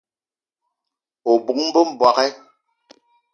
O bóng-be m'bogué!